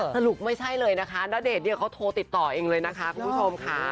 สรุปไม่ใช่เลยนะคะณเดชน์เนี่ยเขาโทรติดต่อเองเลยนะคะคุณผู้ชมค่ะ